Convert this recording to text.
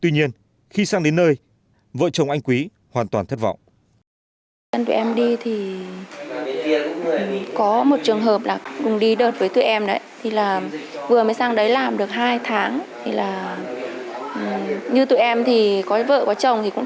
nhưng khi sang đến nơi vợ chồng anh quý hoàn toàn thất vọng